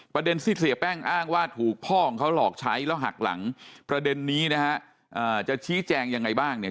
ประเด็นที่เสียแป้งอ้างว่าถูกพ่อของเขาหลอกใช้แล้วหักหลังประเด็นนี้นะฮะจะชี้แจงยังไงบ้างเนี่ย